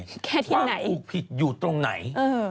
ว่ามกลุ่มผิดอยู่ตรงไหน